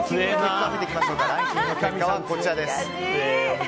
ランキングの結果はこちらです。